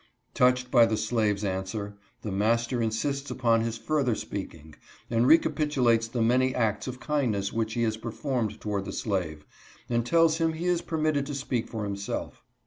"_ Touched by the slave's answer, the mastejMnsistsjipon his further speaking, and recapitulates the many acts of kindness which liejias~perf ormed toward J;he~~sTave ,~andrtells~hfm he is permitted to speak for himself.